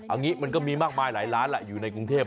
อันนี้มันก็มีมากมายหลายร้านแหละอยู่ในกรุงเทพ